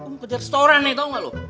mau kejar restoran nih tau gak lo